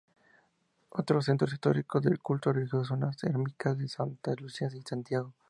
Otros centros históricos de culto religioso son las ermitas de Santa Lucía y Santiago.